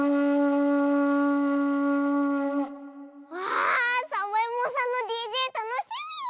わあサボえもんさんのＤＪたのしみ。